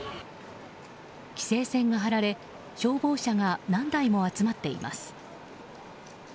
規制線が張られ消防車が何台も集まっています。